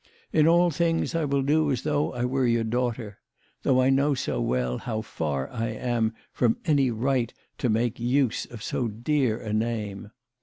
In all things I will do as though I were your daughter though I know so well how far I am from any right to make use of so dear a name